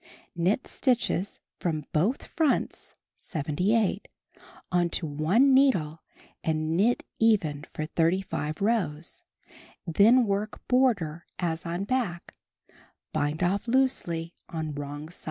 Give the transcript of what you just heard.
Knit stitches from both fronts (78) on to one needle and knit even for 35 rows, then work border as on back; bind off loosely on wrong side.